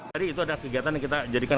tadi itu ada kegiatan yang kita jadikan